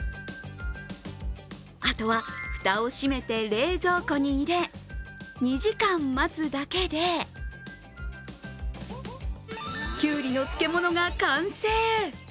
あとは蓋を閉めて、冷蔵庫に入れ２時間待つだけできゅうりの漬物が完成。